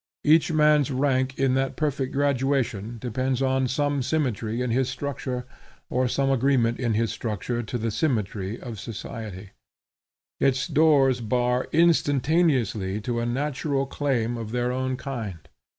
Each man's rank in that perfect graduation depends on some symmetry in his structure or some agreement in his structure to the symmetry of society. Its doors unbar instantaneously to a natural claim of their own kind.